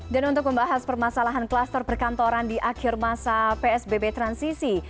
dan untuk membahas permasalahan kluster perkantoran di akhir masa psbb transisi